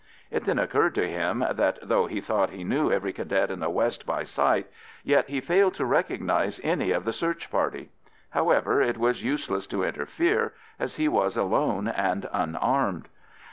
It then occurred to him that, though he thought he knew every Cadet in the west by sight, yet he failed to recognise any of the search party. However, it was useless to interfere, as he was alone and unarmed.